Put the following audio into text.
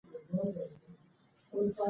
نیک عملونه تل پاتې کیږي.